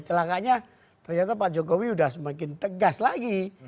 celakanya ternyata pak jokowi sudah semakin tegas lagi